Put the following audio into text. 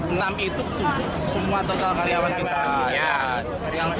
enam itu cukup semua total karyawan kita